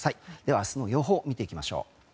明日の予報を見ていきましょう。